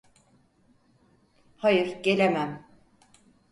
Hayır, gelemem.